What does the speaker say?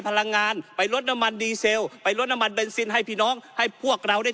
พลังงานไปลดน้ำมันดีเซลไปลดน้ำมันเบนซินให้พี่น้องให้พวกเราได้